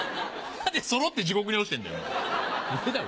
何でそろって地獄に落ちてんだよ